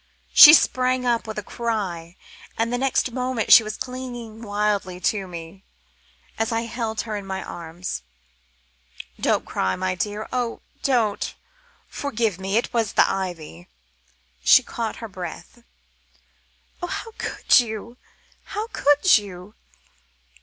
She sprang up with a cry, and the next moment she was clinging wildly to me, as I held her in my arms. "Don't cry, my dear, oh, don't! Forgive me, it was the ivy." She caught her breath. "How could you! how could you!"